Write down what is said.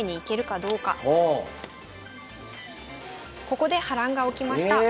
ここで波乱が起きました。